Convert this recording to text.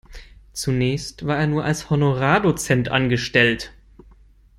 Zunächst war er nur als Honorardozent angestellt.